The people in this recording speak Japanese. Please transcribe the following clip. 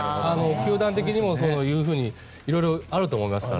球団的にもそういうふうに色々あると思いますから。